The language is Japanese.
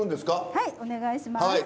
はいお願いします。